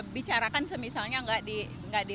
bicarakan semisalnya nggak di